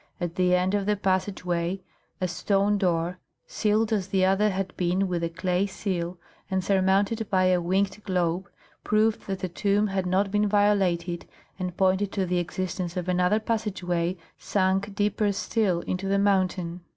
At the end of the passageway a stone door, sealed as the other had been with a clay seal and surmounted by a winged globe, proved that the tomb had not been violated and pointed to the existence of another passageway sunk deeper still into the mountain.